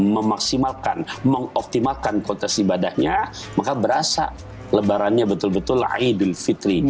memaksimalkan mengoptimalkan kontes ibadahnya maka berasa lebarannya betul betulnya idul fitri